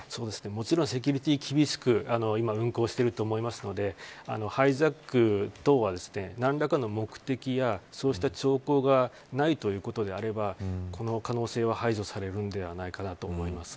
もちろん、セキュリティ厳しく運航していると思いますのでハイジャック等は何らかの目的や兆候がないということであればこの可能性は排除されるんではないでしょうかと思います。